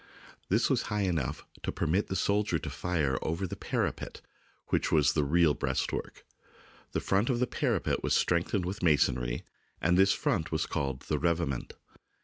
This was high enough to permit the soldier to fire over the " parapet," which was the real breastwork. The front of the parapet was strengthened with masonry, and this front was called the " revetment."